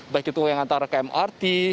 baik itu yang antara ke mrt